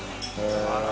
あら。